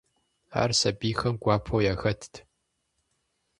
Ар сабийхэм гуапэу яхэтт.